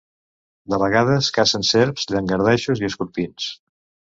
De vegades cacen serps, llangardaixos i escorpins.